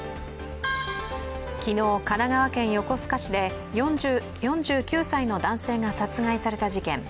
昨日、神奈川県横須賀市で４９歳の男性が殺害された事件。